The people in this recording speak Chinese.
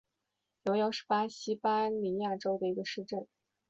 尤尤是巴西巴伊亚州的一个市镇。